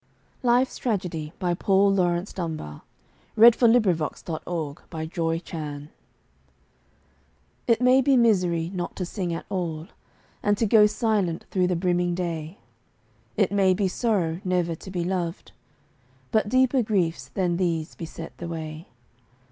bar — Life's TragedyPaul Laurence Dunbar LIFE'S TRAGEDY It may be misery not to sing at all And to go silent through the brimming day. It may be sorrow never to be loved, But deeper griefs than these beset the way.